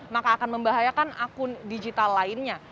maka akan membahayakan akun digital lainnya